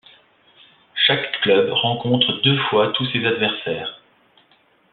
Chaque club rencontre deux fois tous ses adversaires.